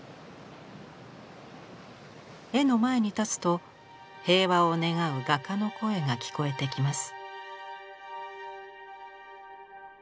絵の前に立つと平和を願う画家の声が聞こえてきます。